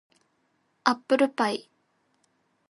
アップルパイ